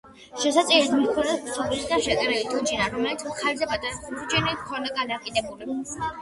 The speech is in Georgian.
შესაწირად მიჰქონდათ ქსოვილისგან შეკერილი თოჯინა, რომელსაც მხარზე პატარა ხურჯინი ჰქონდა გადაკიდებული.